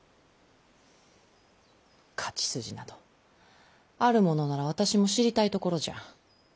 勝ち筋などあるものなら私も知りたいところじゃ。